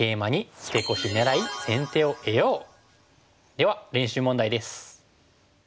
では練習問題です。